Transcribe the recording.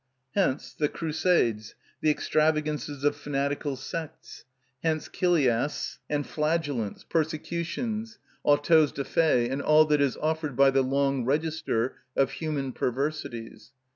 Hence the Crusades, the extravagances of fanatical sects; hence Chiliasts and Flagellants, persecutions, autos da fe, and all that is offered by the long register of human perversities.